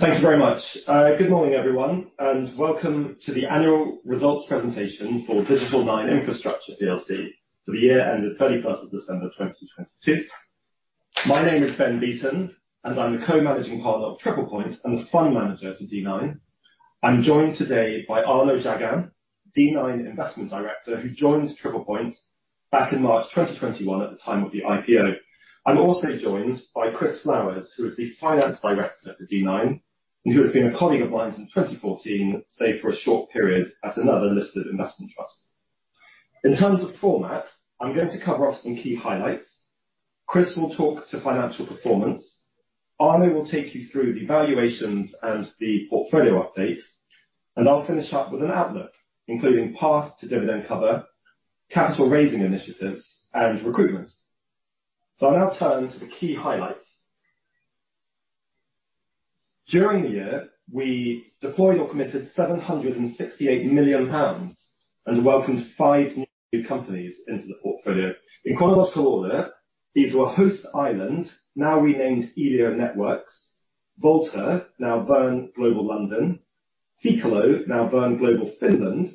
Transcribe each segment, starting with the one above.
Thank you very much. Good morning, everyone, and welcome to the annual results presentation for Digital 9 Infrastructure plc for the year ended 31st of December, 2022. My name is Ben Beaton, and I'm the Co-Managing Partner of Triple Point and the Fund Manager to D9. I'm joined today by Arnaud Jaguin, D9 Investment Director, who joined Triple Point back in March 2021 at the time of the IPO. I'm also joined by Chris Flowers, who is the Finance Director for D9 and who has been a colleague of mine since 2014, save for a short period at another listed investment trust. In terms of format, I'm going to cover off some key highlights. Chris will talk to financial performance. Arno will take you through the valuations and the portfolio update, and I'll finish up with an outlook, including path to dividend cover, capital raising initiatives, and recruitment. I'll now turn to the key highlights. During the year, we deployed or committed 768 million pounds and welcomed five new companies into the portfolio. In chronological order, these were Host Ireland, now renamed Elio Networks, Volta, now Verne Global London, Ficolo, now Verne Global Finland,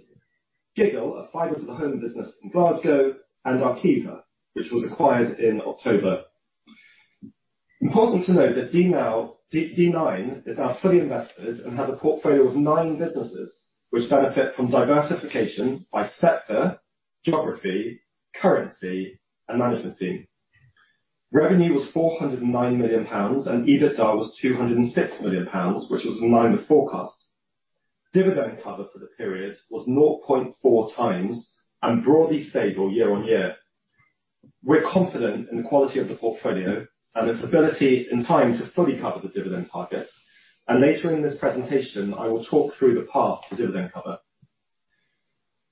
Giggle, a fiber-to-the-home business in Glasgow, and Arqiva, which was acquired in October. Important to note that D9 is now fully invested and has a portfolio of nine businesses which benefit from diversification by sector, geography, currency and management team. Revenue was 409 million pounds, and EBITDA was 206 million pounds, which was in line with forecast. Dividend cover for the period was 0.4x and broadly stable year-over-year. We're confident in the quality of the portfolio and its ability and time to fully cover the dividend target. Later in this presentation, I will talk through the path to dividend cover.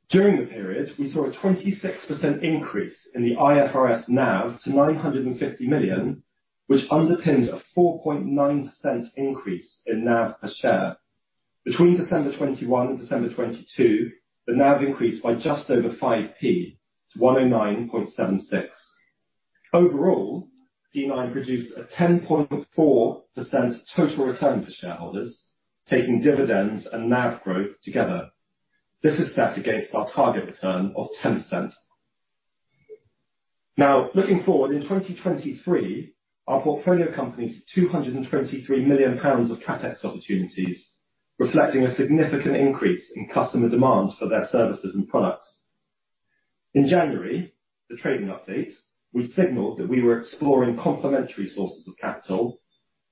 During the period, we saw a 26% increase in the IFRS NAV to 950 million, which underpins a 4.9% increase in NAV per share. Between December 2021 and December 2022, the NAV increased by just over 0.05 to 109.76. Overall, D9 produced a 10.4% total return for shareholders, taking dividends and NAV growth together. This is set against our target return of 10%. Now, looking forward, in 2023, our portfolio companies had 223 million pounds of CapEx opportunities, reflecting a significant increase in customer demand for their services and products. In January, the trading update, we signaled that we were exploring complementary sources of capital,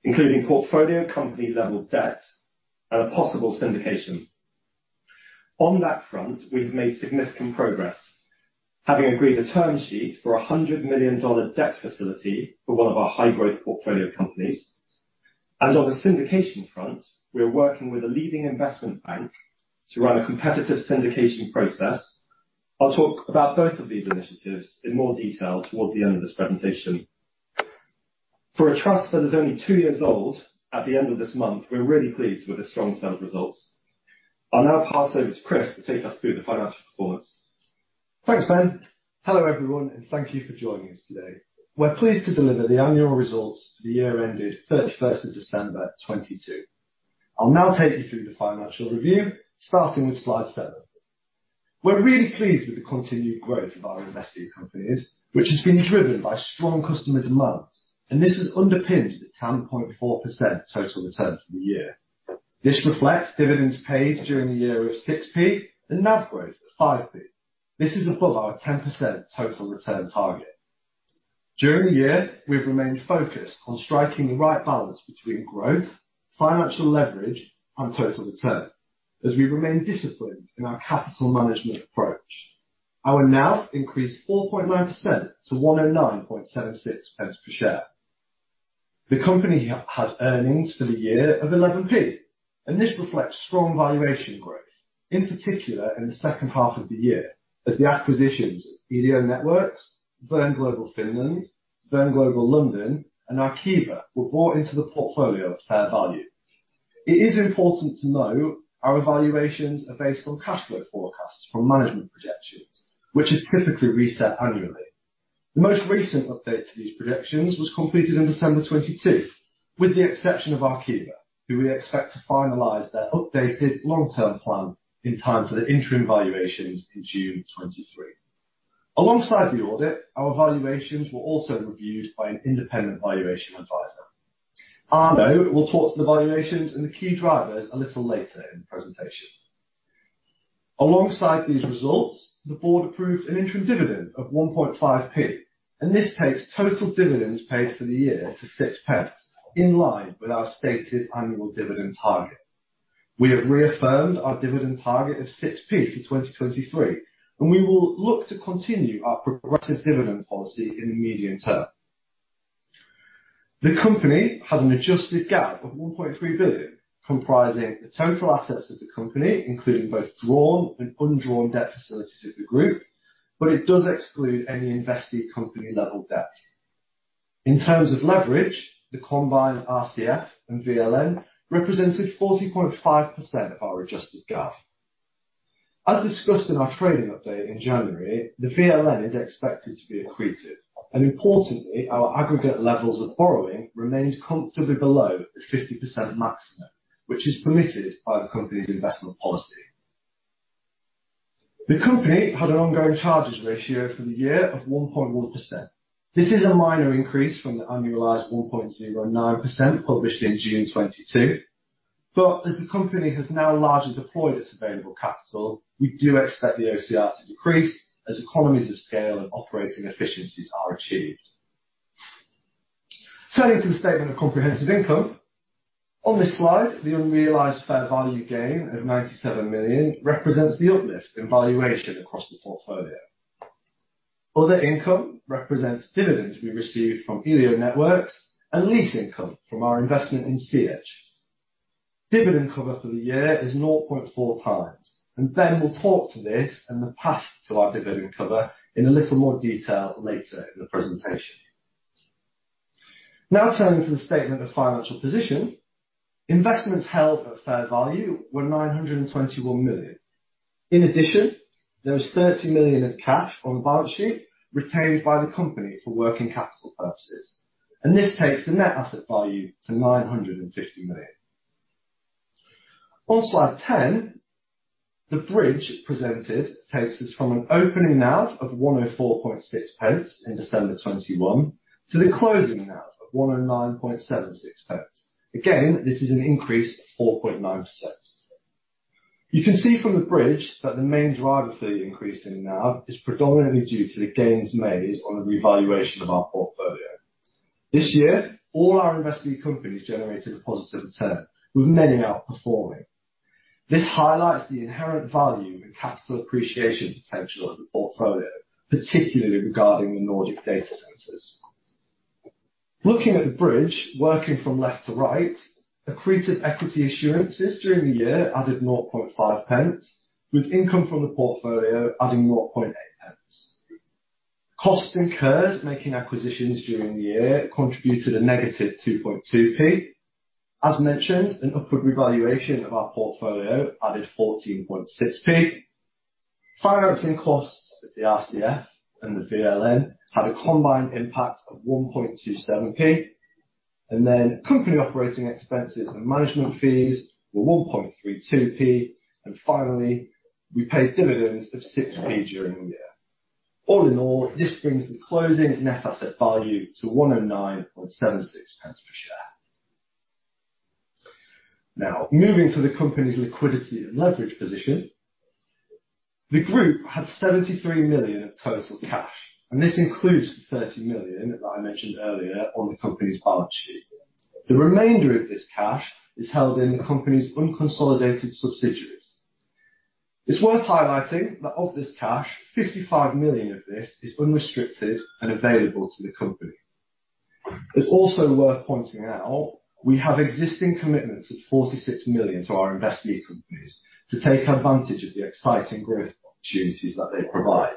including portfolio company-level debt and a possible syndication. On that front, we've made significant progress, having agreed a term sheet for a $100 million debt facility for one of our high-growth portfolio companies. On the syndication front, we are working with a leading investment bank to run a competitive syndication process. I'll talk about both of these initiatives in more detail towards the end of this presentation. For a trust that is only two years old at the end of this month, we're really pleased with the strong set of results. I'll now pass over to Chris to take us through the financial performance. Thanks, Ben. Hello, everyone, thank you for joining us today. We're pleased to deliver the annual results for the year ended 31st of December, 2022. I'll now take you through the financial review, starting with slide seven. We're really pleased with the continued growth of our investee companies, which has been driven by strong customer demand, this has underpinned the 10.4% total return for the year. This reflects dividends paid during the year of 6p and NAV growth of 5p. This is above our 10% total return target. During the year, we've remained focused on striking the right balance between growth, financial leverage, and total return as we remain disciplined in our capital management approach. Our NAV increased 4.9% to 109.76 pence per share. The company had earnings for the year of 0.11. This reflects strong valuation growth, in particular in the second half of the year as the acquisitions Elio Networks, Verne Global Finland, Verne Global London, and Arqiva were brought into the portfolio of fair value. It is important to note our valuations are based on cash flow forecasts from management projections, which is typically reset annually. The most recent update to these projections was completed in December 2022, with the exception of Arqiva, who we expect to finalize their updated long-term plan in time for their interim valuations in June 2023. Alongside the audit, our valuations were also reviewed by an independent valuation advisor. Arno will talk to the valuations and the key drivers a little later in the presentation. Alongside these results, the board approved an interim dividend of 0.015. This takes total dividends paid for the year to 0.06, in line with our stated annual dividend target. We have reaffirmed our dividend target of 0.06 for 2023. We will look to continue our progressive dividend policy in the medium term. The company had an adjusted GAAP of 1.3 billion, comprising the total assets of the company, including both drawn and undrawn debt facilities of the group, but it does exclude any invested company-level debt. In terms of leverage, the combined RCF and VLN represented 40.5% of our adjusted GAAP. As discussed in our trading update in January, the VLN is expected to be accretive. Importantly, our aggregate levels of borrowing remains comfortably below the 50% maximum, which is permitted by the company's investment policy. The company had an ongoing charges ratio for the year of 1.1%. This is a minor increase from the annualized 1.09% published in June 2022. As the company has now largely deployed its available capital, we do expect the OCR to decrease as economies of scale and operating efficiencies are achieved. Turning to the statement of comprehensive income. On this slide, the unrealized fair value gain of 97 million represents the uplift in valuation across the portfolio. Other income represents dividends we received from Elio Networks and lease income from our investment in CH. Dividend cover for the year is 0.4x, Ben will talk to this and the path to our dividend cover in a little more detail later in the presentation. Turning to the statement of financial position. Investments held at fair value were 921 million. In addition, there was 30 million in cash on the balance sheet retained by the company for working capital purposes. This takes the NAV to 950 million. On slide 10, the bridge presented takes us from an opening NAV of 1.046 in December 2021 to the closing NAV of 1.0976. This is an increase of 4.9%. You can see from the bridge that the main driver for the increase in NAV is predominantly due to the gains made on the revaluation of our portfolio. This year, all our investee companies generated a positive return, with many outperforming. This highlights the inherent value and capital appreciation potential of the portfolio, particularly regarding the Nordic data centers. Looking at the bridge, working from left to right, accreted equity issuances during the year added 0.5 pence, with income from the portfolio adding 0.8 pence. Costs incurred making acquisitions during the year contributed a negative GBP 2.2p. As mentioned, an upward revaluation of our portfolio added GBP 14.6p. Financing costs at the RCF and the VLN had a combined impact of GBP 1.27p. Company operating expenses and management fees were GBP 1.32p. Finally, we paid dividends of GBP 6p during the year. All in all, this brings the closing net asset value to 109.76 pence per share. Moving to the company's liquidity and leverage position. The group had 73 million of total cash, and this includes the 30 million that I mentioned earlier on the company's balance sheet. The remainder of this cash is held in the company's unconsolidated subsidiaries. It's worth highlighting that of this cash, 55 million of this is unrestricted and available to the company. It's also worth pointing out we have existing commitments of 46 million to our investee companies to take advantage of the exciting growth opportunities that they provide.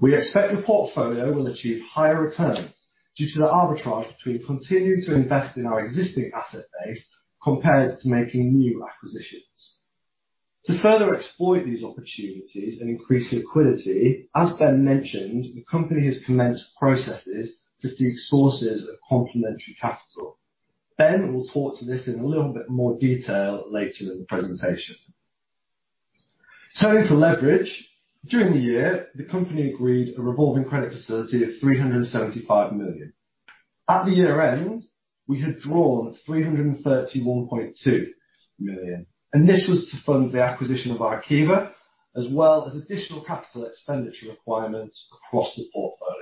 We expect the portfolio will achieve higher returns due to the arbitrage between continuing to invest in our existing asset base compared to making new acquisitions. To further exploit these opportunities and increase liquidity, as Ben mentioned, the company has commenced processes to seek sources of complementary capital. Ben will talk to this in a little bit more detail later in the presentation. Turning to leverage. During the year, the company agreed a revolving credit facility of 375 million. At the year-end, we had drawn 331.2 million. This was to fund the acquisition of Arqiva, as well as additional capital expenditure requirements across the portfolio.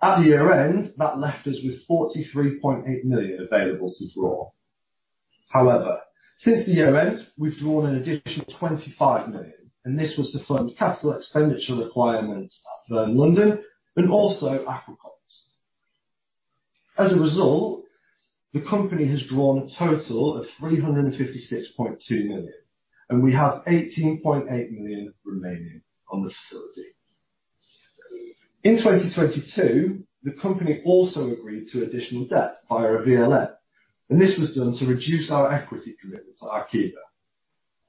At the year-end, that left us with 43.8 million available to draw. However, since the year-end, we've drawn an additional 25 million. This was to fund capital expenditure requirements at Verne London and also Aqua Comms. As a result, the company has drawn a total of 356.2 million. We have 18.8 million remaining on the facility. In 2022, the company also agreed to additional debt via a VLN. This was done to reduce our equity commitment to Arqiva.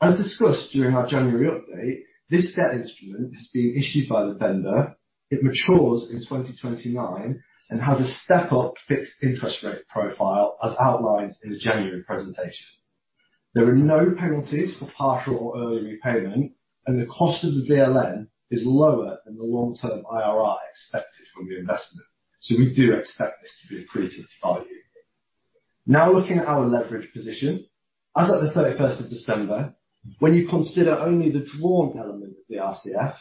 As discussed during our January update, this debt instrument is being issued by the vendor. It matures in 2029 and has a step-up fixed interest rate profile as outlined in the January presentation. There are no penalties for partial or early repayment, and the cost of the VLN is lower than the long-term IRR expected from the investment. We do expect this to be accretive to value. Now looking at our leverage position. As at the 31st of December, when you consider only the drawn element of the RCF,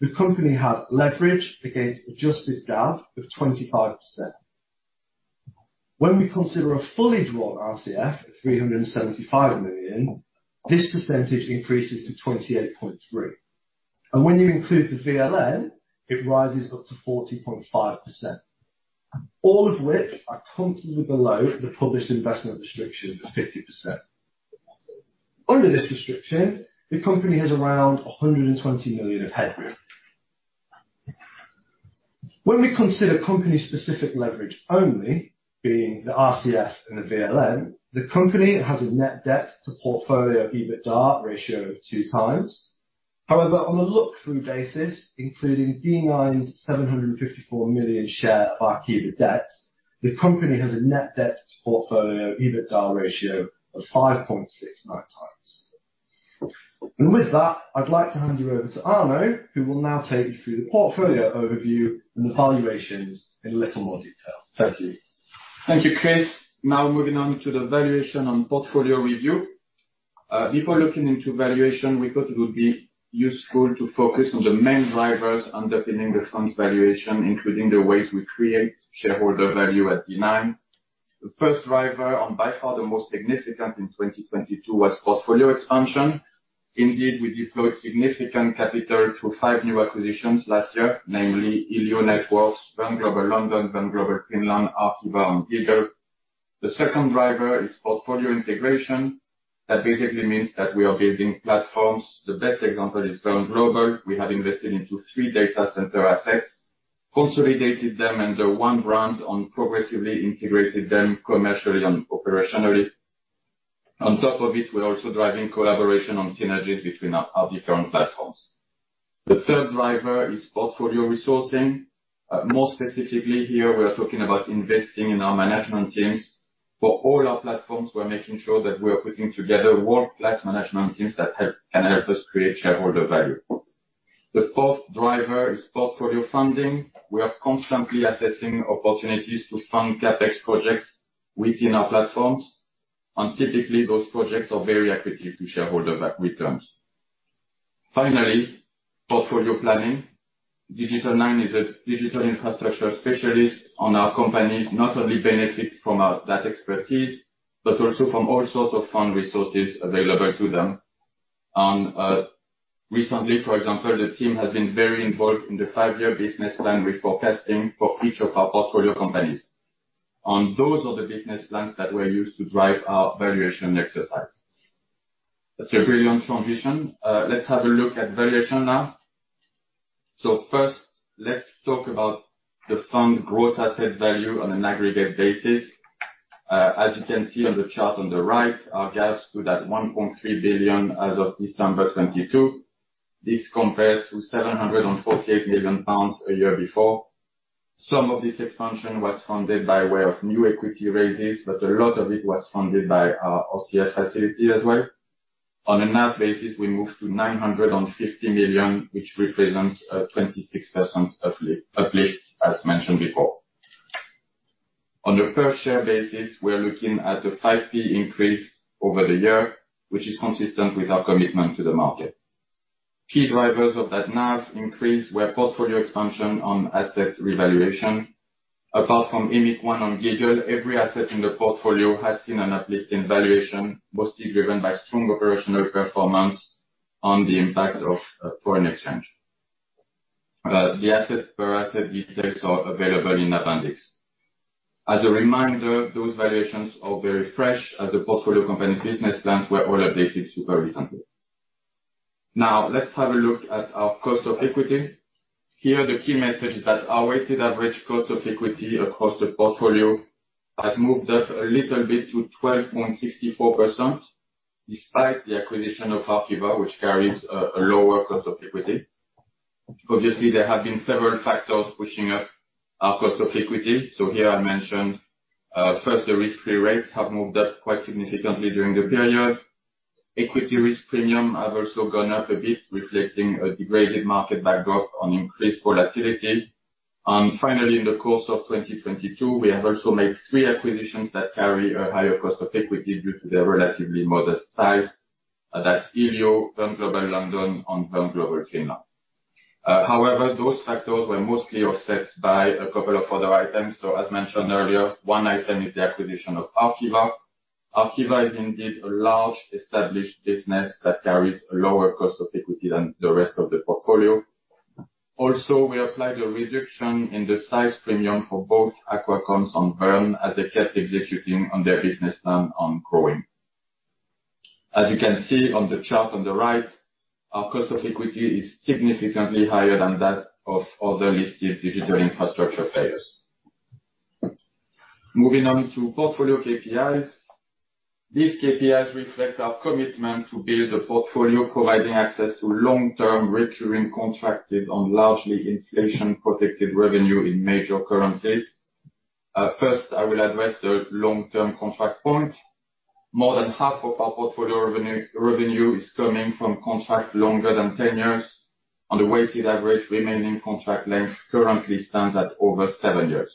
the company had leverage against adjusted DAV of 25%. When we consider a fully drawn RCF of 375 million, this percentage increases to 28.3%. When you include the VLN, it rises up to 40.5%, all of which are comfortably below the published investment restriction of 50%. Under this restriction, the company has around 120 million of headroom. When we consider company specific leverage only, being the RCF and the VLN, the company has a net debt to portfolio EBITDA ratio of 2x. However, on a look-through basis, including D9's 754 million share of Arqiva debt, the company has a net debt to portfolio EBITDA ratio of 5.69x. With that, I'd like to hand you over to Arnaud, who will now take you through the portfolio overview and the valuations in a little more detail. Thank you. Thank you, Chris. Moving on to the valuation and portfolio review. Before looking into valuation, we thought it would be useful to focus on the main drivers underpinning the fund's valuation, including the ways we create shareholder value at D9. The first driver, and by far the most significant in 2022 was portfolio expansion. Indeed, we deployed significant capital through five new acquisitions last year, namely Elio Networks, Verne Global London, Verne Global Finland, Arqiva, and Giggle. The second driver is portfolio integration. That basically means that we are building platforms. The best example is Verne Global. We have invested into three data center assets, consolidated them under one brand, and progressively integrated them commercially and operationally. On top of it, we're also driving collaboration on synergies between our different platforms. The third driver is portfolio resourcing. More specifically here, we are talking about investing in our management teams. For all our platforms, we're making sure that we are putting together world-class management teams that can help us create shareholder value. The fourth driver is portfolio funding. We are constantly assessing opportunities to fund CapEx projects within our platforms, and typically, those projects are very accretive to shareholder returns. Finally, portfolio planning. Digital 9 is a digital infrastructure specialist, our companies not only benefit from that expertise, but also from all sorts of fund resources available to them. Recently, for example, the team has been very involved in the five-year business plan we're forecasting for each of our portfolio companies. Those are the business plans that were used to drive our valuation exercises. A brilliant transition. Let's have a look at valuation now. First, let's talk about the fund Gross Asset Value on an aggregate basis. As you can see on the chart on the right, our GAV stood at 1.3 billion as of December 2022. This compares to 748 million pounds a year before. Some of this expansion was funded by way of new equity raises, a lot of it was funded by our OCF facility as well. On a NAV basis, we moved to 950 million, which represents 26% uplift, as mentioned before. On a per share basis, we are looking at a 5P increase over the year, which is consistent with our commitment to the market. Key drivers of that NAV increase were portfolio expansion on asset revaluation. Apart from EMIC-1 and Giggle, every asset in the portfolio has seen an uplift in valuation, mostly driven by strong operational performance on the impact of foreign exchange. The asset per asset details are available in appendix. As a reminder, those valuations are very fresh as the portfolio company's business plans were all updated super recently. Let's have a look at our cost of equity. Here, the key message is that our weighted average cost of equity across the portfolio has moved up a little bit to 12.64%, despite the acquisition of Arqiva, which carries a lower cost of equity. Obviously, there have been several factors pushing up our cost of equity. Here I mentioned, first, the risk-free rates have moved up quite significantly during the period. Equity risk premium have also gone up a bit, reflecting a degraded market backdrop on increased volatility. Finally, in the course of 2022, we have also made three acquisitions that carry a higher cost of equity due to their relatively modest size. That's Elio, Verne Global London, and Verne Global Finland. However, those factors were mostly offset by a couple of other items. As mentioned earlier, one item is the acquisition of Arqiva. Arqiva is indeed a large established business that carries a lower cost of equity than the rest of the portfolio. Also, we applied a reduction in the size premium for both Aqua Comms and Verne as they kept executing on their business plan on growing. As you can see on the chart on the right, our cost of equity is significantly higher than that of other listed digital infrastructure players. Moving on to portfolio KPIs. These KPIs reflect our commitment to build a portfolio providing access to long-term, recurring, contracted, and largely inflation-protected revenue in major currencies. First, I will address the long-term contract point. More than half of our portfolio revenue is coming from contracts longer than 10 years, and the weighted average remaining contract length currently stands at over 7 years.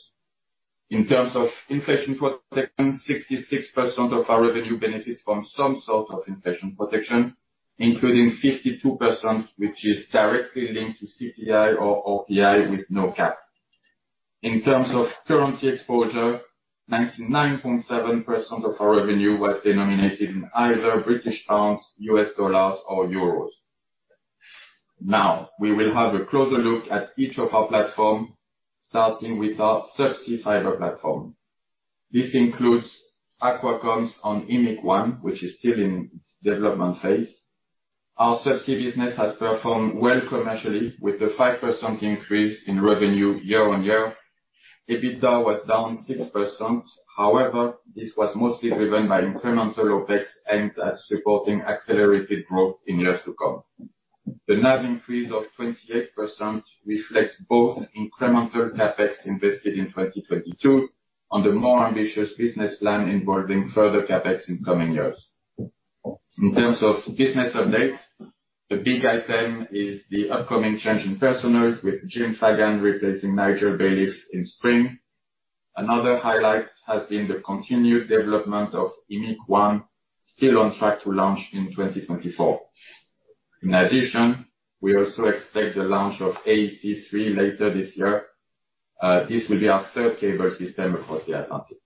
In terms of inflation protection, 66% of our revenue benefits from some sort of inflation protection, including 52%, which is directly linked to CPI or RPI with no cap. In terms of currency exposure, 99.7% of our revenue was denominated in either British pounds, US dollars, or euros. We will have a closer look at each of our platform, starting with our subsea fiber platform. This includes Aqua Comms and EMIC-1, which is still in its development phase. Our Subsea business has performed well commercially with the 5% increase in revenue year-on-year. EBITDA was down 6%. This was mostly driven by incremental OpEx aimed at supporting accelerated growth in years to come. The NAV increase of 28% reflects both incremental CapEx invested in 2022 on the more ambitious business plan involving further CapEx in coming years. In terms of business updates, the big item is the upcoming change in personnel with Jim Fagan replacing Nigel Bayliff in spring. Another highlight has been the continued development of EMIC-1, still on track to launch in 2024. We also expect the launch of AEC three later this year. This will be our third cable system across the Atlantic.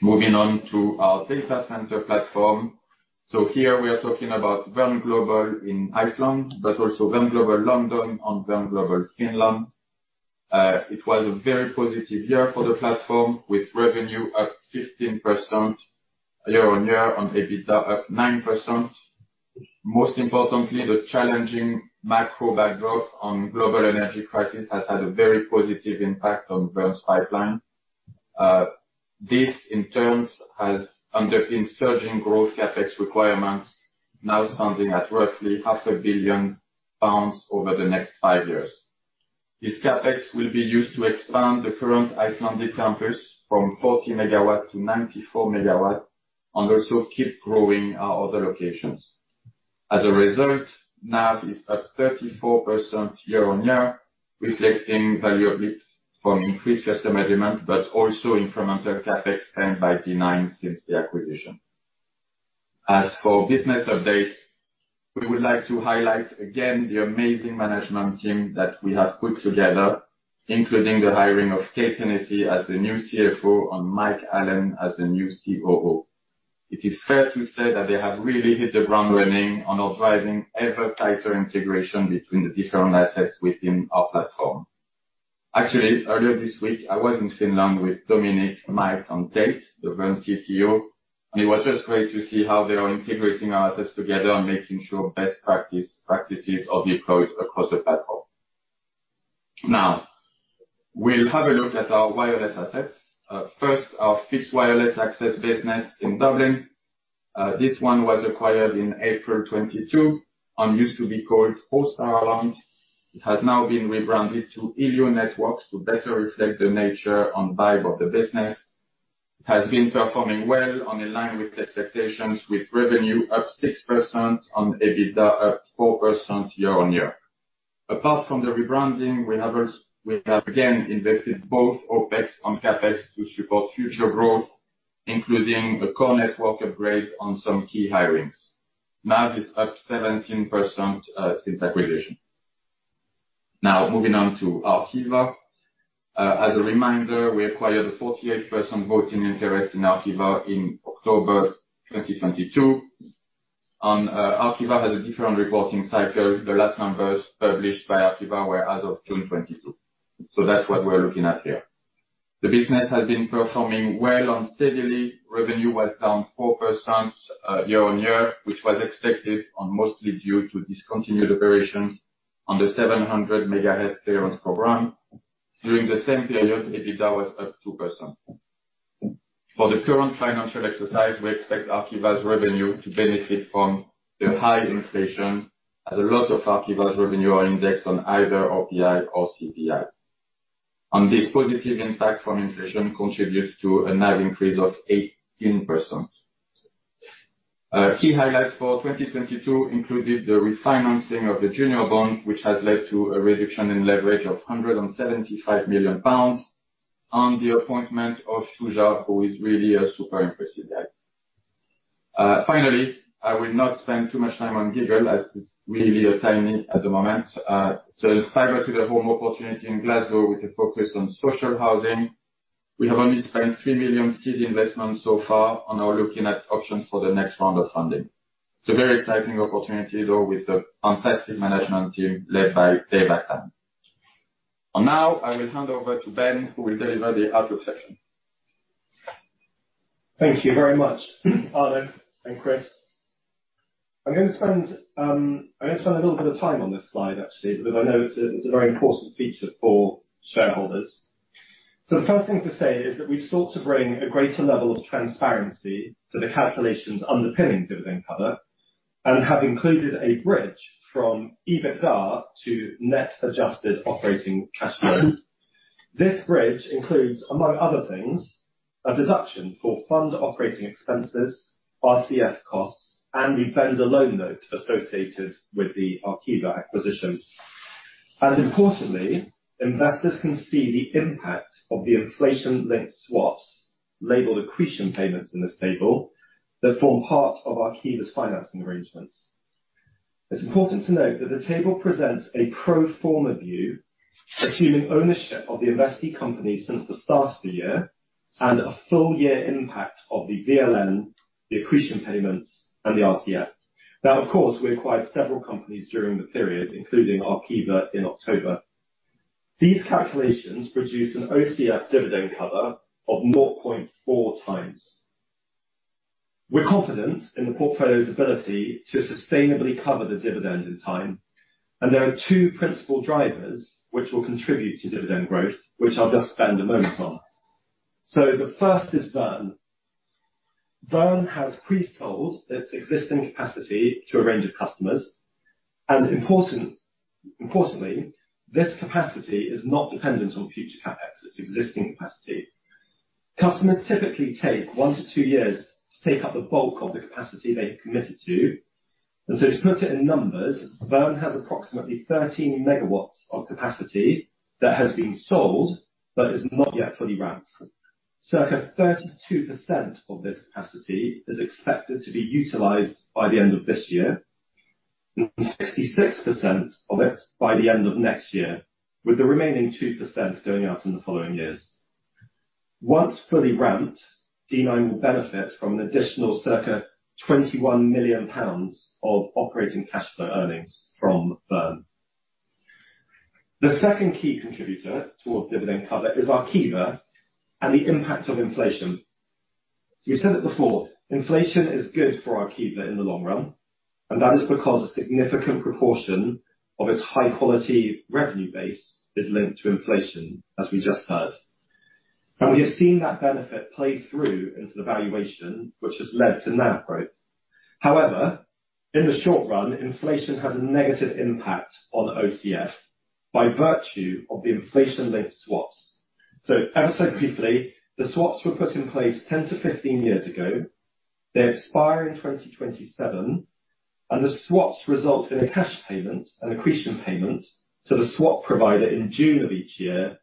Moving on to our data center platform. Here we are talking about Verne Global in Iceland, but also Verne Global London and Verne Global Finland. It was a very positive year for the platform, with revenue up 15% year-on-year on EBITDA up 9%. Most importantly, the challenging macro backdrop on global energy crisis has had a very positive impact on Verne's pipeline. This in turn has underpinned surging growth CapEx requirements, now standing at roughly half a billion pounds over the next five years. This CapEx will be used to expand the current Icelandic campus from 40 megawatt to 94 megawatt and also keep growing our other locations. As a result, NAV is up 34% year-on-year, reflecting value uplift from increased customer demand but also incremental CapEx spent by D9 since the acquisition. As for business updates, we would like to highlight again the amazing management team that we have put together, including the hiring of Kate Hennessy as the new CFO and Mike Allen as the new COO. It is fair to say that they have really hit the ground running on our driving ever tighter integration between the different assets within our platform. Actually, earlier this week I was in Finland with Dominic, Mike and Tate, the Verne CTO, and it was just great to see how they are integrating our assets together and making sure best practices are deployed across the platform. Now, we'll have a look at our wireless assets. First our Fixed Wireless Access business in Dublin. This one was acquired in April 2022 and used to be called All Star Alarm. It has now been rebranded to Elio Networks to better reflect the nature and vibe of the business. It has been performing well and in line with expectations with revenue up 6% on EBITDA, up 4% year-over-year. Apart from the rebranding, we have again invested both OpEx and CapEx to support future growth, including a core network upgrade on some key hirings. NAV is up 17% since acquisition. Moving on to Arqiva. As a reminder, we acquired a 48% voting interest in Arqiva in October 2022. Arqiva has a different reporting cycle. The last numbers published by Arqiva were as of June 2022. That's what we're looking at here. The business has been performing well and steadily. Revenue was down 4% year-over-year, which was expected and mostly due to discontinued operations on the 700 MHz Clearance Programme. During the same period, EBITDA was up 2%. For the current financial exercise, we expect Arqiva's revenue to benefit from the high inflation, as a lot of Arqiva's revenue are indexed on either RPI or CPI. This positive impact from inflation contributes to a NAV increase of 18%. Key highlights for 2022 included the refinancing of the junior bond, which has led to a reduction in leverage of 175 million pounds, and the appointment of Shuja, who is really a super impressive add. Finally, I will not spend too much time on Giggle as it's really tiny at the moment. Fibre-to-the-home opportunity in Glasgow with a focus on social housing. We have only spent 3 million seed investment so far and are looking at options for the next round of funding. It's a very exciting opportunity though, with the fantastic management team led by Dave Aton. Now I will hand over to Ben, who will deliver the outlook section. Thank you very much, Arnaud and Chris. I'm gonna spend a little bit of time on this slide actually, because I know it's a very important feature for shareholders. The first thing to say is that we've sought to bring a greater level of transparency to the calculations underpinning dividend cover and have included a bridge from EBITDA to net adjusted operating cash flow. This bridge includes, among other things, a deduction for fund operating expenses, RCF costs, and the vendor loan note associated with the Arqiva acquisition. Importantly, investors can see the impact of the inflation-linked swaps, labeled accretion payments in this table, that form part of Arqiva's financing arrangements. It's important to note that the table presents a pro forma view assuming ownership of the investee company since the start of the year, and a full year impact of the VLN, the accretion payments and the RCF. Of course, we acquired several companies during the period, including Arqiva in October. These calculations produce an OCF dividend cover of 0.4x. We're confident in the portfolio's ability to sustainably cover the dividend in time. There are two principal drivers which will contribute to dividend growth, which I'll just spend a moment on. The first is Verne. Verne has pre-sold its existing capacity to a range of customers, and importantly, this capacity is not dependent on future CapEx. It's existing capacity. Customers typically take one to two years to take up the bulk of the capacity they've committed to. To put it in numbers, Verne has approximately 13 megawatts of capacity that has been sold but is not yet fully ramped. Circa 32% of this capacity is expected to be utilized by the end of this year and 66% of it by the end of next year, with the remaining 2% going out in the following years. Once fully ramped, D9 will benefit from an additional circa 21 million pounds of operating cash flow earnings from Verne. The second key contributor towards dividend cover is Arqiva and the impact of inflation. We've said it before, inflation is good for Arqiva in the long run, and that is because a significant proportion of its high-quality revenue base is linked to inflation, as we just heard. We have seen that benefit play through into the valuation, which has led to NAV growth. However, in the short run, inflation has a negative impact on OCF by virtue of the inflation-linked swaps. ever so briefly, the swaps were put in place 10-15 years ago. They expire in 2027, and the swaps result in a cash payment, an accretion payment, to the swap provider in June of each year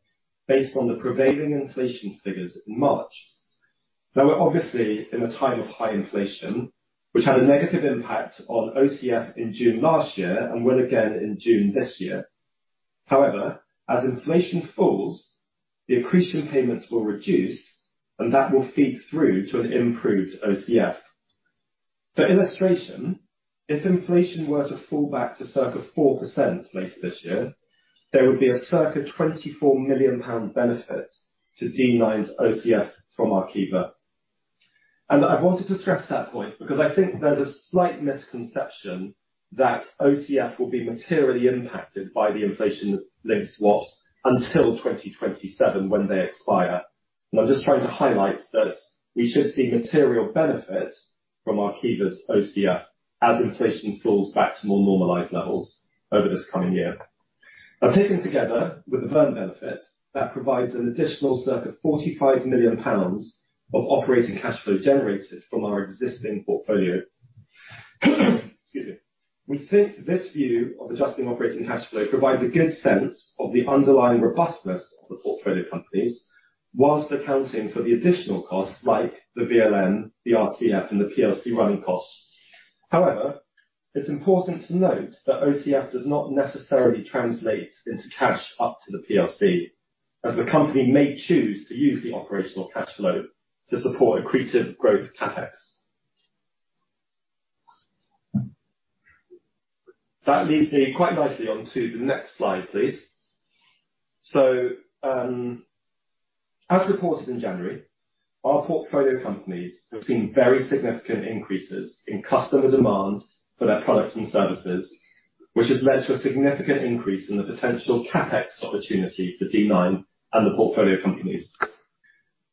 based on the prevailing inflation figures in March. We're obviously in a time of high inflation, which had a negative impact on OCF in June last year and will again in June this year. As inflation falls, the accretion payments will reduce, and that will feed through to an improved OCF. For illustration, if inflation were to fall back to circa 4% later this year, there would be a circa 24 million pound benefit to D9's OCF from Arqiva. I wanted to stress that point because I think there's a slight misconception that OCF will be materially impacted by the inflation-linked swaps until 2027, when they expire. I'm just trying to highlight that we should see material benefit from Arqiva's OCF as inflation falls back to more normalized levels over this coming year. Now, taken together with the Verne benefit, that provides an additional circa 45 million pounds of operating cash flow generated from our existing portfolio. Excuse me. We think this view of adjusting operating cash flow provides a good sense of the underlying robustness of the portfolio companies whilst accounting for the additional costs like the VLN, the RCF and the PLC running costs. It's important to note that OCF does not necessarily translate into cash up to the PLC, as the company may choose to use the operational cash flow to support accretive growth CapEx. That leads me quite nicely onto the next slide, please. As reported in January, our portfolio companies have seen very significant increases in customer demand for their products and services, which has led to a significant increase in the potential CapEx opportunity for D9 and the portfolio companies.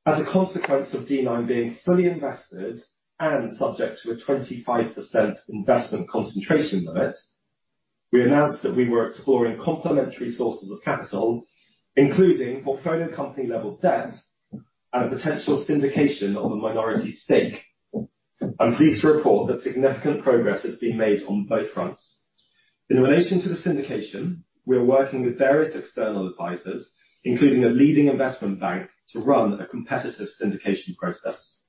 As a consequence of D9 being fully invested and subject to a 25% investment concentration limit, we announced that we were exploring complementary sources of capital, including portfolio company-level debt and potential syndication of a minority stake. I'm pleased to report that significant progress has been made on both fronts. In relation to the syndication, we are working with various external advisors, including a leading investment bank, to run a competitive syndication process.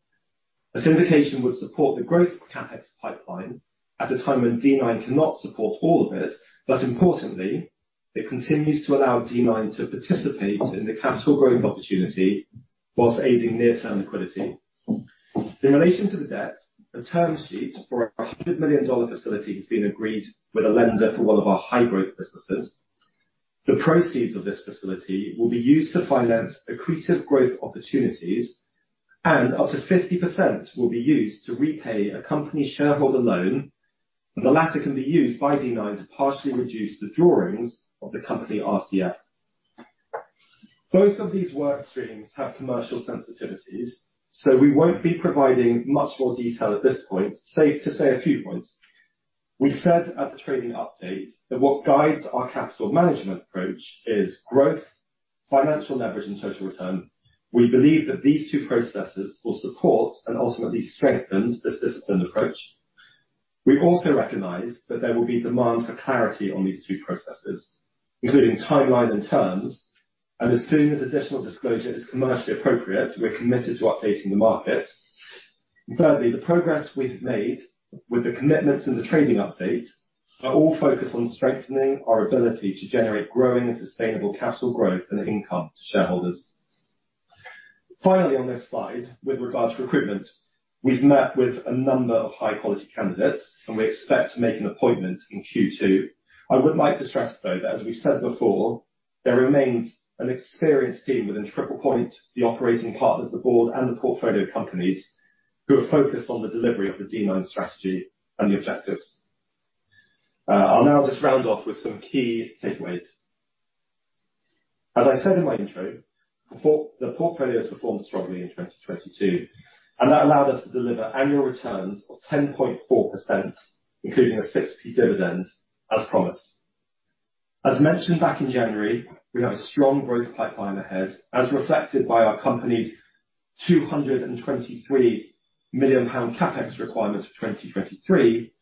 A syndication would support the growth of CapEx pipeline at a time when D9 cannot support all of it, but importantly, it continues to allow D9 to participate in the capital growth opportunity whilst aiding near-term liquidity. In relation to the debt, a term sheet for our $100 million facility has been agreed with a lender for one of our high-growth businesses. The proceeds of this facility will be used to finance accretive growth opportunities. Up to 50% will be used to repay a company shareholder loan. The latter can be used by D9 to partially reduce the drawings of the company RCF. Both of these work streams have commercial sensitivities. We won't be providing much more detail at this point. Safe to say a few points. We said at the trading update that what guides our capital management approach is growth, financial leverage, and social return. We believe that these two processes will support and ultimately strengthen this disciplined approach. We also recognize that there will be demand for clarity on these two processes, including timeline and terms, and as soon as additional disclosure is commercially appropriate, we're committed to updating the market. Thirdly, the progress we've made with the commitments in the trading update are all focused on strengthening our ability to generate growing and sustainable capital growth and income to shareholders. Finally, on this slide, with regards to recruitment, we've met with a number of high quality candidates, and we expect to make an appointment in Q2. I would like to stress though that as we said before, there remains an experienced team within Triple Point, the operating partners, the board, and the portfolio companies who are focused on the delivery of the D9 strategy and the objectives. I'll now just round off with some key takeaways. As I said in my intro, the portfolio has performed strongly in 2022, that allowed us to deliver annual returns of 10.4%, including a 6 fee dividend as promised. As mentioned back in January, we have a strong growth pipeline ahead, as reflected by our company's 223 million pound CapEx requirements for 2023,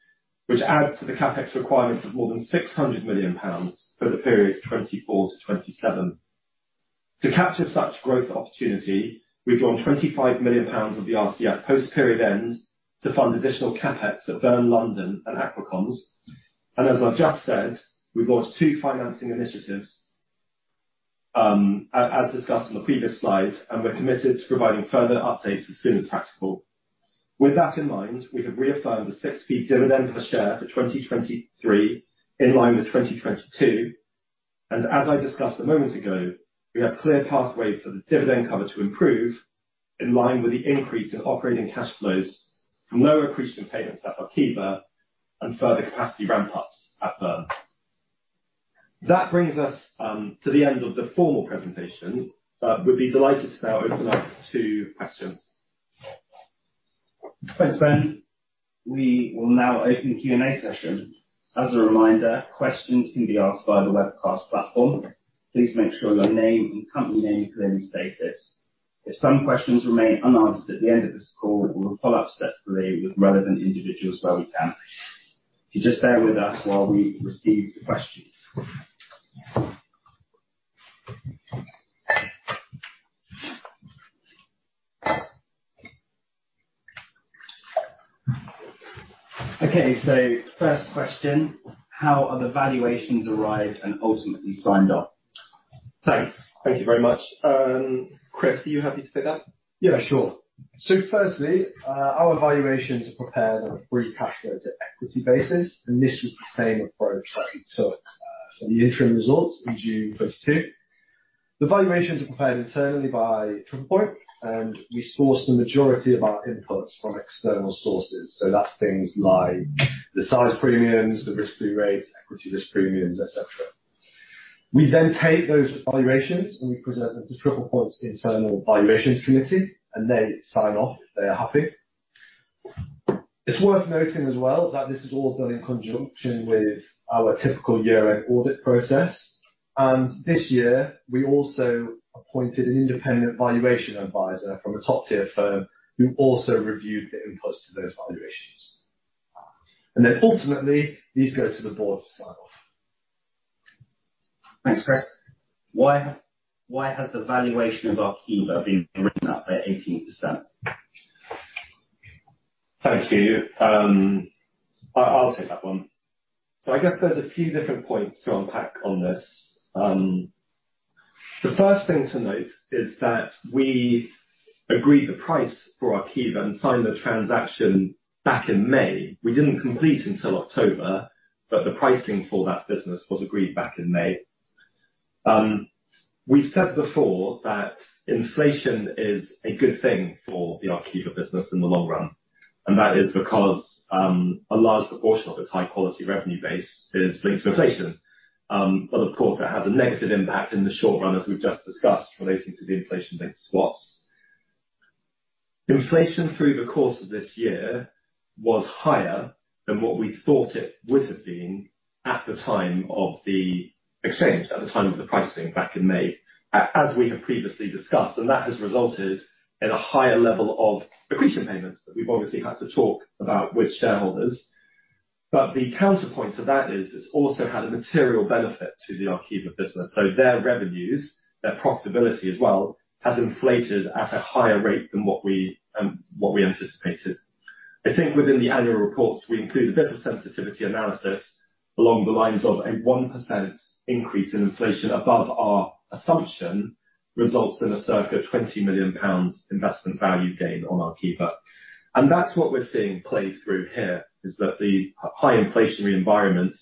which adds to the CapEx requirements of more than 600 million pounds for the period 2024-2027. To capture such growth opportunity, we've drawn 25 million pounds of the RCF post-period end to fund additional CapEx at Verne London and Aqua Comms. As I've just said, we've launched two financing initiatives, as discussed on the previous slide. We're committed to providing further updates as soon as practical. With that in mind, we have reaffirmed a six fee dividend per share for 2023 in line with 2022. As I discussed a moment ago, we have a clear pathway for the dividend cover to improve in line with the increase in operating cash flows from lower accretion payments at Arqiva and further capacity ramp-ups at Verne. That brings us to the end of the formal presentation. We'll be delighted to now open up to questions. Thanks, Ben. We will now open the Q&A session. As a reminder, questions can be asked via the webcast platform. Please make sure your name and company name are clearly stated. If some questions remain unanswered at the end of this call, we will follow up separately with relevant individuals where we can. If you just bear with us while we receive the questions. Okay. First question, how are the valuations arrived and ultimately signed off? Thanks. Thank you very much. Chris, are you happy to pick up? Yeah, sure. Firstly, our valuations are prepared on a free cash flow to equity basis, and this was the same approach that we took for the interim results in June 2022. The valuations are prepared internally by Triple Point, and we source the majority of our inputs from external sources. That's things like the size premiums, the risk-free rates, equity risk premiums, et cetera. We then take those valuations, and we present them to Triple Point's internal valuations committee, and they sign off if they are happy. It's worth noting as well that this is all done in conjunction with our typical year-end audit process. This year we also appointed an independent valuation advisor from a top-tier firm who also reviewed the inputs to those valuations. Ultimately, these go to the board to sign off. Thanks, Chris. Why has the valuation of Arqiva been written up by 18%? Thank you. I'll take that one. I guess there's a few different points to unpack on this. The first thing to note is that we agreed the price for Arqiva and signed the transaction back in May. We didn't complete until October, but the pricing for that business was agreed back in May. We've said before that inflation is a good thing for the Arqiva business in the long run, and that is because a large proportion of its high quality revenue base is linked to inflation. Of course, it has a negative impact in the short run, as we've just discussed, relating to the inflation-linked swaps. Inflation through the course of this year was higher than what we thought it would have been at the time of the exchange, at the time of the pricing back in May, as we have previously discussed, and that has resulted in a higher level of accretion payments that we've obviously had to talk about with shareholders. The counterpoint to that is it's also had a material benefit to the Arqiva business. Their revenues, their profitability as well, has inflated at a higher rate than what we anticipated. I think within the annual reports, we include a bit of sensitivity analysis along the lines of a 1% increase in inflation above our assumption results in a circa 20 million pounds investment value gain on Arqiva. That's what we're seeing play through here, is that the high inflationary environment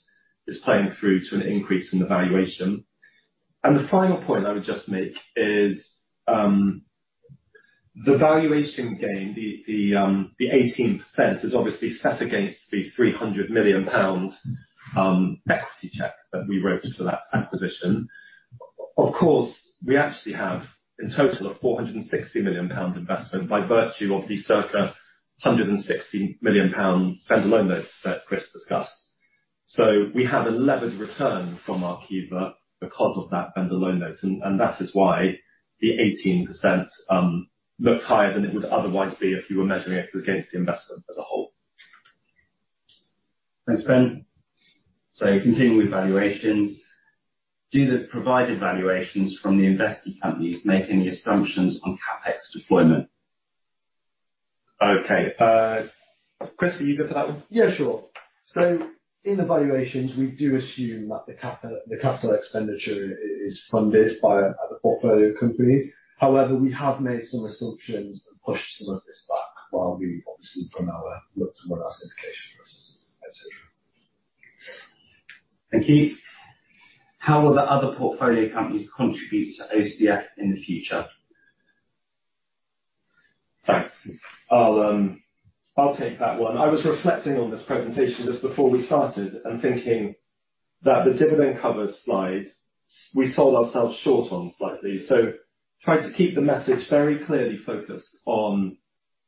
is playing through to an increase in the valuation. The final point I would just make is the valuation gain, the 18% is obviously set against the 300 million pound equity check that we wrote for that acquisition. Of course, we actually have in total of 460 million pounds investment by virtue of the circa 160 million pounds vendor loan notes that Chris discussed. We have a levered return from Arqiva because of that vendor loan note, and that is why the 18% looks higher than it would otherwise be if you were measuring it against the investment as a whole. Thanks, Ben. Continuing with valuations, do the provided valuations from the invested companies make any assumptions on CapEx deployment? Okay. Chris, are you good for that one? Yeah, sure. In the valuations, we do assume that the capital expenditure is funded by the portfolio companies. However, we have made some assumptions and pushed some of this back while we obviously look to run our syndication processes, et cetera. Thank you. How will the other portfolio companies contribute to OCF in the future? Thanks. I'll take that one. I was reflecting on this presentation just before we started and thinking that the dividend cover slide we sold ourselves short on slightly. tried to keep the message very clearly focused on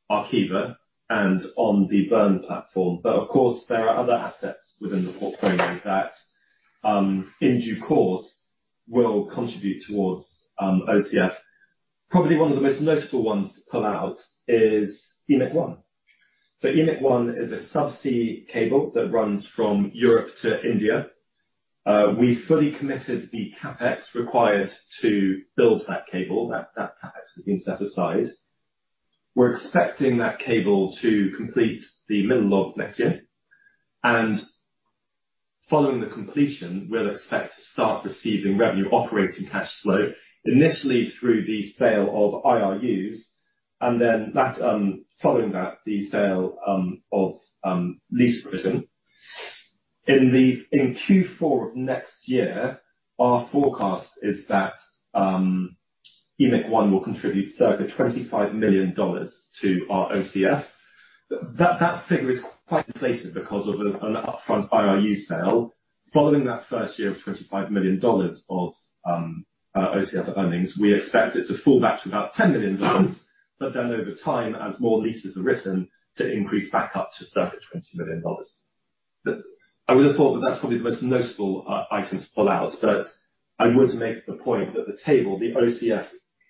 Arqiva and on the Verne platform. of course, there are other assets within the portfolio that in due course will contribute towards OCF. Probably one of the most notable ones to pull out is EMIC-1. EMIC-1 is a subsea cable that runs from Europe to India. we fully committed the CapEx required to build that cable. That CapEx has been set aside. We're expecting that cable to complete the middle of next year. Following the completion, we'll expect to start receiving revenue operating cash flow, initially through the sale of IRUs, and then that following that, the sale of lease written. In Q4 of next year, our forecast is that EMIC-1 will contribute circa $25 million to our OCF. That figure is quite placid because of an upfront IRU sale. Following that first year of $25 million of OCF earnings, we expect it to fall back to about $10 million. Over time, as more leases are written to increase back up to circa $20 million. I would have thought that that's probably the most notable item to pull out, but I would make the point that the table, the OCF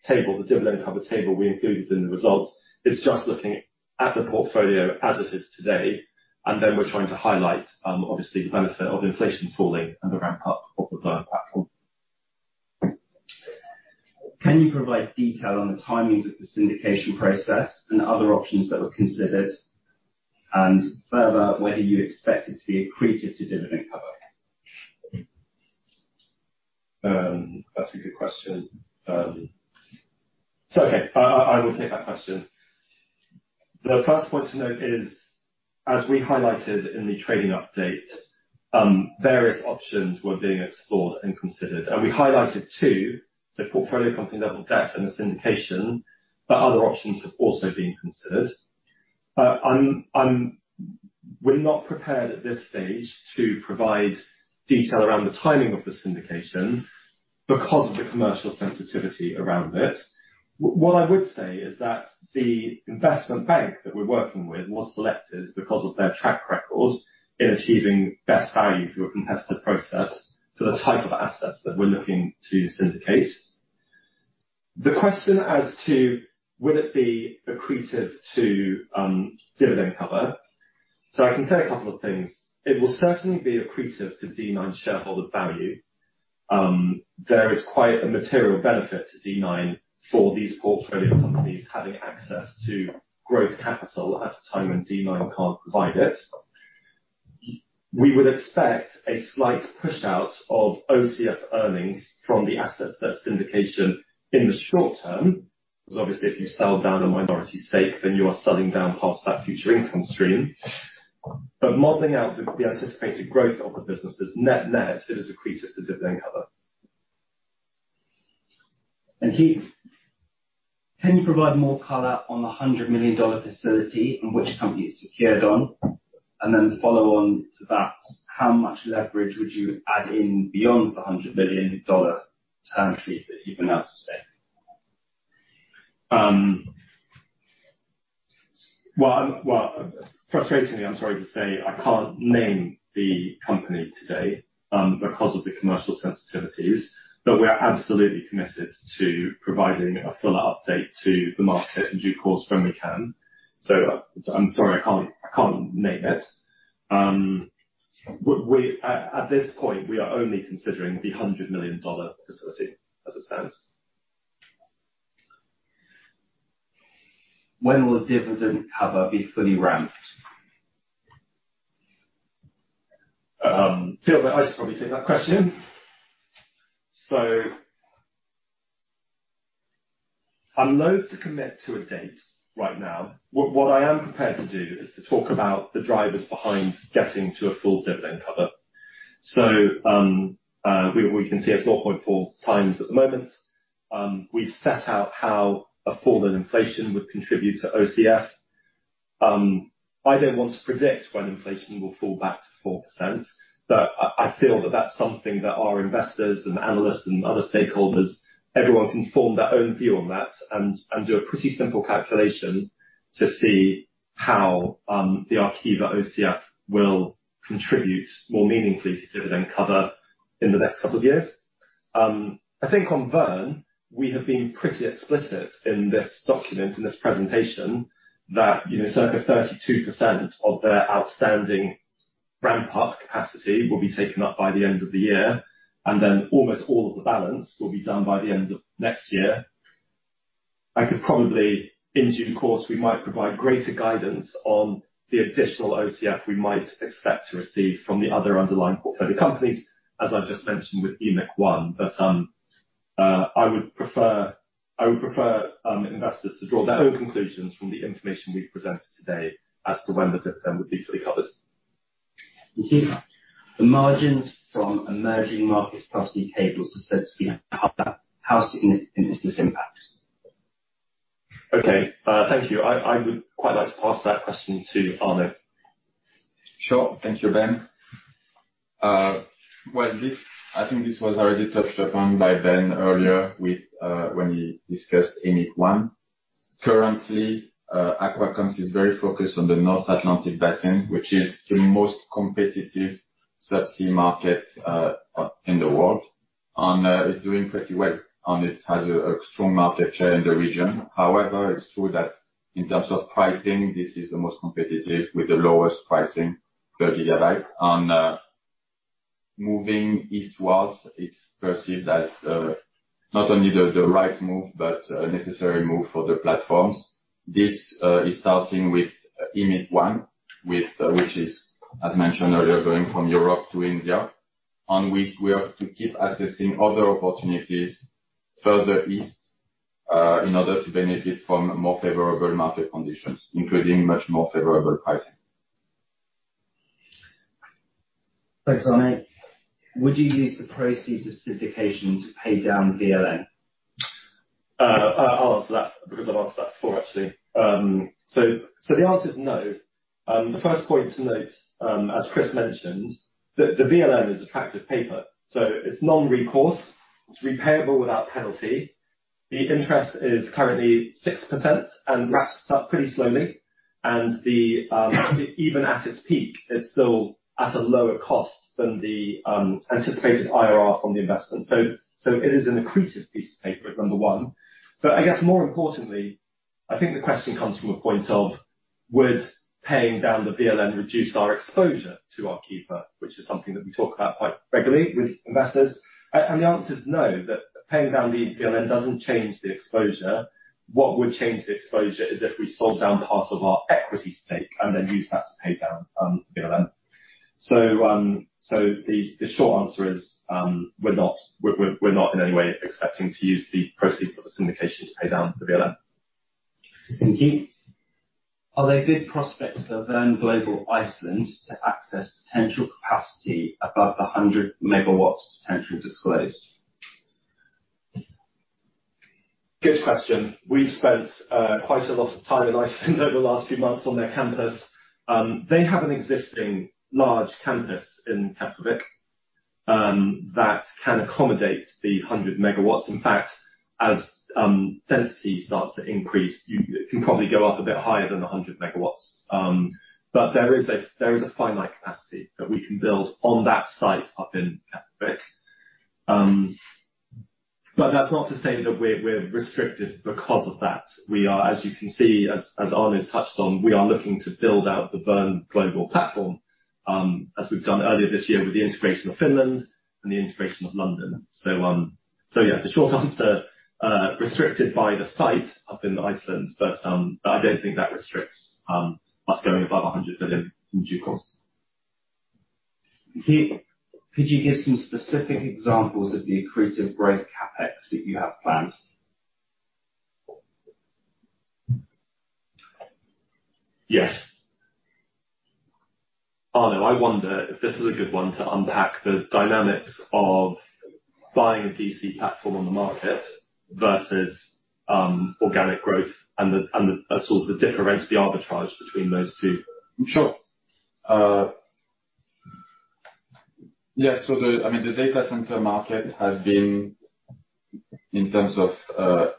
table, the dividend cover table we included in the results, is just looking at the portfolio as it is today. Then we're trying to highlight, obviously the benefit of inflation falling and the ramp up of the Verne platform. Can you provide detail on the timings of the syndication process and other options that were considered? Further, whether you expect it to be accretive to dividend cover? That's a good question. It's okay. I will take that question. The first point to note is, as we highlighted in the trading update, various options were being explored and considered. We highlighted two, the portfolio company level debt and the syndication. Other options have also been considered. We're not prepared at this stage to provide detail around the timing of the syndication because of the commercial sensitivity around it. What I would say is that the investment bank that we're working with was selected because of their track record in achieving best value through a competitive process for the type of assets that we're looking to syndicate. The question as to, will it be accretive to dividend cover? I can say a couple of things. It will certainly be accretive to D9 shareholder value. There is quite a material benefit to D9 for these portfolio companies having access to growth capital at a time when D9 can't provide it. We would expect a slight push out of OCF earnings from the assets that syndicate in the short term, 'cause obviously, if you sell down a minority stake, then you are selling down part of that future income stream. Modeling out the anticipated growth of the business is net-net, it is accretive to dividend cover. Ben, can you provide more color on the $100 million facility and which company it's secured on? Then follow on to that, how much leverage would you add in beyond the $100 million facility that you've announced today? Well, frustratingly, I'm sorry to say, I can't name the company today because of the commercial sensitivities. We are absolutely committed to providing a fuller update to the market in due course when we can. I'm sorry, I can't name it. At this point, we are only considering the $100 million facility as it stands. When will the dividend cover be fully ramped? Feels like I should probably take that question. I'm loath to commit to a date right now. What I am prepared to do is to talk about the drivers behind getting to a full dividend cover. We can see it's 0.4x at the moment. We've set out how a fall in inflation would contribute to OCF. I don't want to predict when inflation will fall back to 4%, but I feel that that's something that our investors and analysts and other stakeholders, everyone can form their own view on that and do a pretty simple calculation to see how the Arqiva OCF will contribute more meaningfully to dividend cover in the next couple of years. I think on Verne, we have been pretty explicit in this document, in this presentation, that, you know, circa 32% of their outstanding Ramp up capacity will be taken up by the end of the year, and then almost all of the balance will be done by the end of next year. I could probably in due course, we might provide greater guidance on the additional OCF we might expect to receive from the other underlying portfolio companies, as I've just mentioned, with EMIC-1. I would prefer investors to draw their own conclusions from the information we've presented today as to when the debt then would be fully covered. Thank you. The margins from emerging markets subsea cables are said to be higher. How significant is this impact? Okay. Thank you. I would quite like to pass that question to Arnaud. Sure. Thank you, Ben. Well, I think this was already touched upon by Ben earlier when we discussed EMIC-1. Currently, Aqua Comms is very focused on the North Atlantic Basin, which is the most competitive subsea market in the world. It's doing pretty well, and it has a strong market share in the region. However, it's true that in terms of pricing, this is the most competitive with the lowest pricing per gigabyte. Moving eastwards, it's perceived as not only the right move, but a necessary move for the platforms. This is starting with EMIC-1, which is, as mentioned earlier, going from Europe to India. We are to keep assessing other opportunities further east in order to benefit from more favorable market conditions, including much more favorable pricing. Thanks, Arnaud. Would you use the proceeds of syndication to pay down VLN? I'll answer that because I've answered that before, actually. The answer is no. The first point to note, as Chris mentioned, the VLN is attractive paper. It's non-recourse, it's repayable without penalty. The interest is currently 6% and ramps up pretty slowly. Even at its peak, it's still at a lower cost than the anticipated IRR from the investment. It is an accretive piece of paper, number one. I guess more importantly, I think the question comes from a point of, would paying down the VLN reduce our exposure to Arqiva, which is something that we talk about quite regularly with investors. The answer is no, that paying down the VLN doesn't change the exposure. What would change the exposure is if we sold down part of our equity stake and then used that to pay down, the VLN. The short answer is, we're not in any way expecting to use the proceeds of the syndication to pay down the VLN. Thank you. Are there good prospects for Verne Global Iceland to access potential capacity above the 100 megawatts potentially disclosed? Good question. We've spent quite a lot of time in Iceland over the last few months on their campus. They have an existing large campus in Keflavik that can accommodate the 100 megawatts. In fact, as density starts to increase, it can probably go up a bit higher than 100 megawatts. There is a finite capacity that we can build on that site up in Keflavik. That's not to say that we're restricted because of that. We are, as you can see, as Arnaud's touched on, we are looking to build out the Verne Global platform, as we've done earlier this year with the integration of Finland and the integration of London. Yeah, the short answer, restricted by the site up in Iceland, but I don't think that restricts us going above 100 megawatt in due course. Could you give some specific examples of the accretive growth CapEx that you have planned? Yes. Arnaud, I wonder if this is a good one to unpack the dynamics of buying a DC platform on the market versus, organic growth and the, and the, sort of the difference, the arbitrage between those two. Sure. Yeah. I mean, the data center market has been, in terms of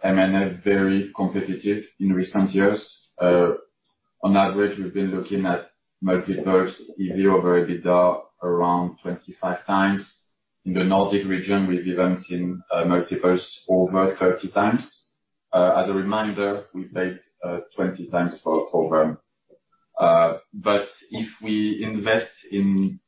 M&A, very competitive in recent years. On average, we've been looking at multiples EV or EBITDA around 25x. In the Nordic region, we've even seen multiples over 30x. As a reminder, we paid 20x for Verne. If we invest in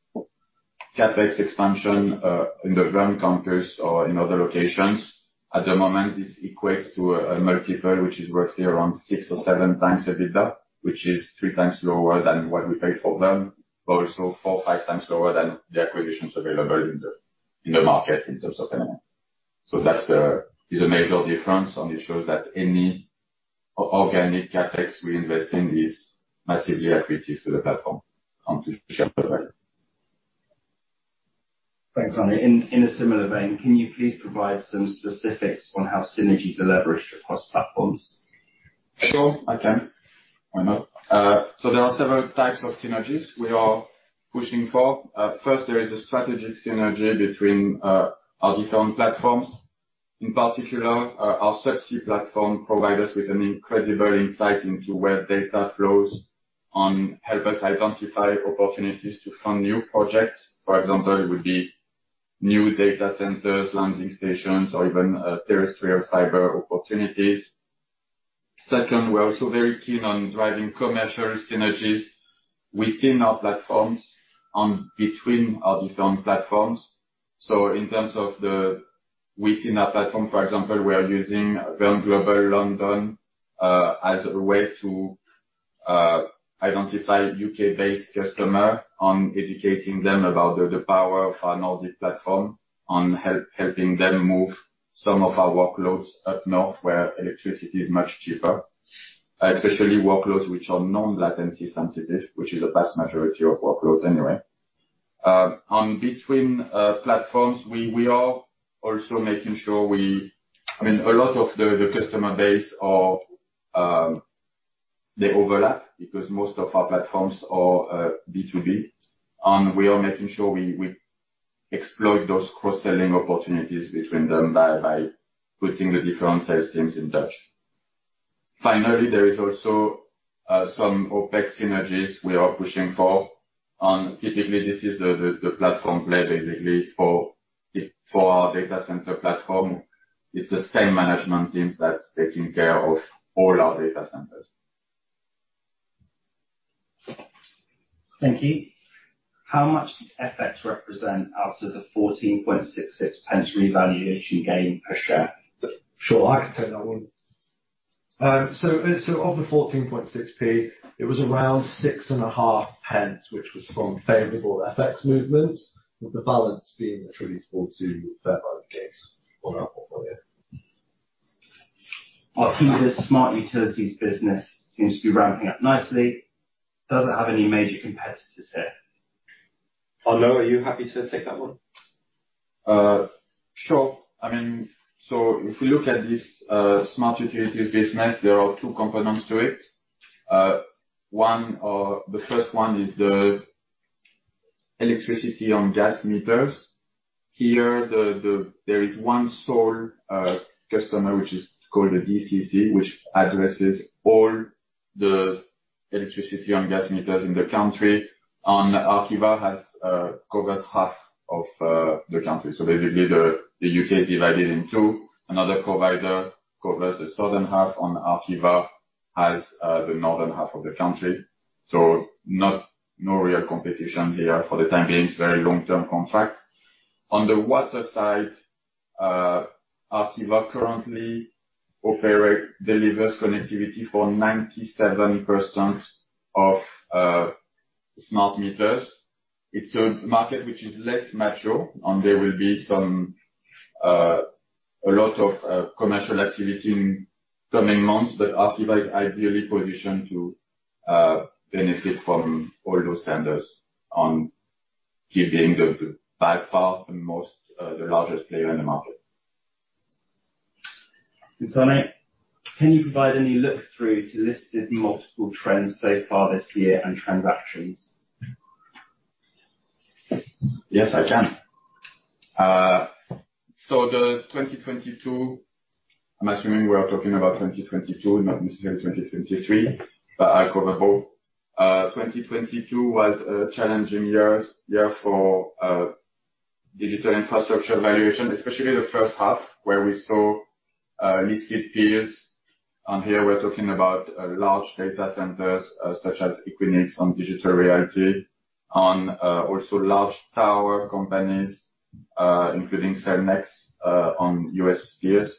CapEx expansion in the Verne campus or in other locations at the moment, this equates to a multiple which is roughly around 6 or 7x the EBITDA, which is 3x lower than what we paid for them, also 4 or 5x lower than the acquisitions available in the market in terms of M&A. Is a major difference, and it shows that any organic CapEx we invest in is massively accretive to the platform and to shareholder value. Thanks, Arnaud. In a similar vein, can you please provide some specifics on how synergies are leveraged across platforms? Sure, I can. Why not? There are several types of synergies we are pushing for. First, there is a strategic synergy between our different platforms. In particular, our subsea platform provide us with an incredible insight into where data flows and help us identify opportunities to fund new projects. For example, it would be new data centers, landing stations, or even terrestrial fiber opportunities. Second, we're also very keen on driving commercial synergies within our platforms and between our different platforms. In terms of within our platform, for example, we are using Verne Global London as a way to identify UK-based customer on educating them about the power of our northern platform, on helping them move some of our workloads up north where electricity is much cheaper, especially workloads which are non-latency sensitive, which is the vast majority of workloads anyway. Between platforms, we are also making sure I mean, a lot of the customer base are, they overlap because most of our platforms are B2B, and we are making sure we exploit those cross-selling opportunities between them by putting the different sales teams in touch. Finally, there is also some OpEx synergies we are pushing for. Typically, this is the platform play basically for our data center platform. It's the same management teams that's taking care of all our data centers. Thank you. How much did FX represent out of the 0.1466 revaluation gain per share? Sure. I can take that one. Of the 14.6 P, it was around six and a half pence, which was from favorable FX movements, with the balance being attributable to fair value gains on our portfolio. Arqiva's smart utilities business seems to be ramping up nicely. Does it have any major competitors here? Arnaud, are you happy to take that one? Sure. I mean, if we look at this smart utilities business, there are 2 components to it. One, the first one is the electricity on gas meters. Here, there is one sole customer, which is called a DCC, which addresses all the electricity on gas meters in the country. Arqiva covers half of the country. Basically, the U.K. is divided in 2. Another provider covers the southern half, and Arqiva has the northern half of the country. No real competition here for the time being. It's a very long-term contract. On the water side, Arqiva currently delivers connectivity for 97% of smart meters. It's a market which is less mature, and there will be a lot of commercial activity in coming months. Arqiva is ideally positioned to benefit from all those tenders and keep being the, by far, the most, the largest player in the market. Sonny, can you provide any look through to listed multiple trends so far this year and transactions? Yes, I can. The 2022, I'm assuming we are talking about 2022, not necessarily 2023, but I'll cover both. 2022 was a challenging year for digital infrastructure valuation, especially the first half where we saw listed peers. Here we're talking about large data centers, such as Equinix and Digital Realty, and also large tower companies, including Cellnex, on US peers.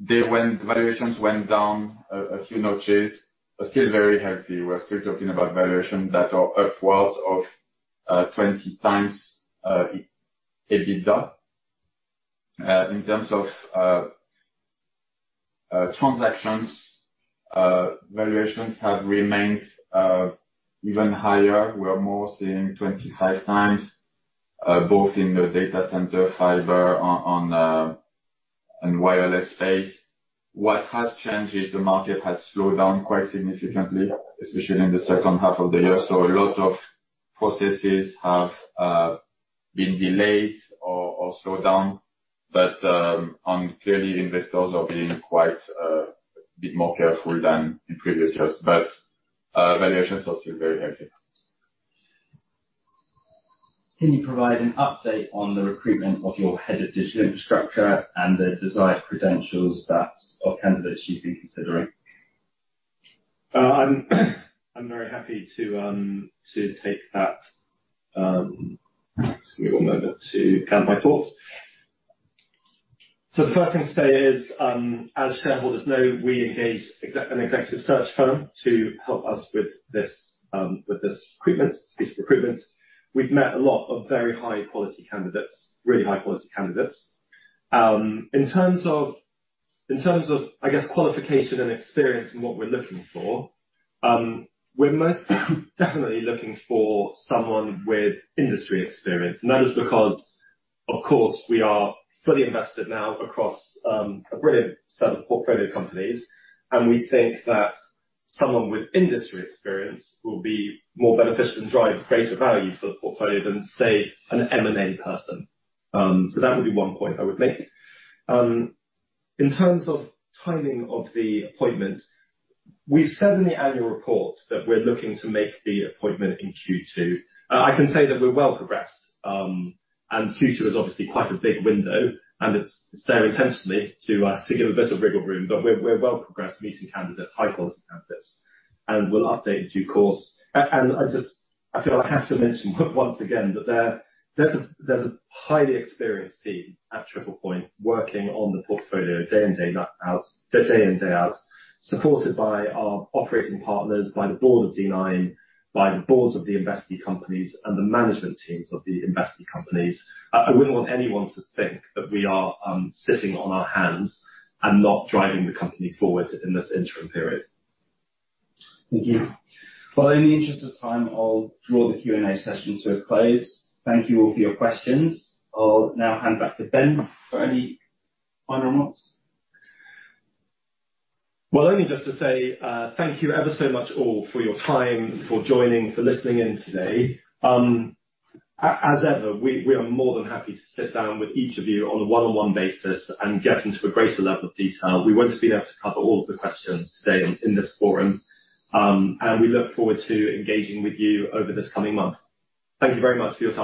Valuations went down a few notches, but still very healthy. We're still talking about valuations that are upwards of 20x EBITDA. In terms of transactions, valuations have remained even higher. We are more seeing 25x, both in the data center, fiber and wireless space. What has changed is the market has slowed down quite significantly, especially in the second half of the year. A lot of processes have been delayed or slowed down. Clearly, investors are being quite bit more careful than in previous years. Valuations are still very healthy. Can you provide an update on the recruitment of your Head of Digital Infrastructure and the desired credentials that, or candidates you've been considering? I'm very happy to take that. Just give me one moment to gather my thoughts. The first thing to say is, as shareholders know, we engaged an executive search firm to help us with this recruitment. We've met a lot of very high-quality candidates, really high-quality candidates. In terms of, I guess, qualification and experience and what we're looking for, we're most definitely looking for someone with industry experience. That is because, of course, we are fully invested now across a brilliant set of portfolio companies, and we think that someone with industry experience will be more beneficial and drive greater value for the portfolio than, say, an M&A person. That would be one point I would make. In terms of timing of the appointment, we've said in the annual report that we're looking to make the appointment in Q2. I can say that we're well progressed. Q2 is obviously quite a big window, and it's there intentionally to give a bit of wiggle room. We're well progressed meeting candidates, high-quality candidates. I feel I have to mention once again that there's a highly experienced team at Triple Point working on the portfolio day in, day out, day in, day out, supported by our operating partners, by the board of D9, by the boards of the investee companies and the management teams of the investee companies. I wouldn't want anyone to think that we are sitting on our hands and not driving the company forward in this interim period. Thank you. In the interest of time, I'll draw the Q&A session to a close. Thank you all for your questions. I'll now hand back to Ben for any final remarks. Only just to say, thank you ever so much all for your time, for joining, for listening in today. As ever, we are more than happy to sit down with each of you on a one-on-one basis and get into a greater level of detail. We won't have been able to cover all of the questions today in this forum. We look forward to engaging with you over this coming month. Thank you very much for your time.